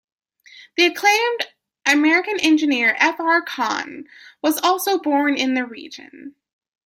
The acclaimed American engineer F R Khan was also born in the region.